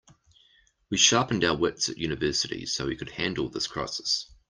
We sharpened our wits at university so we could handle this crisis.